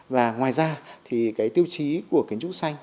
và ngoài ra thì cái tiêu chí của kiến trúc xanh